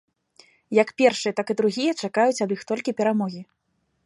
Як першыя, так і другія чакаюць ад іх толькі перамогі.